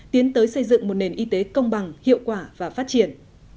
tiến tới xây dựng một nền y tế công bằng hiệu quả và phát triển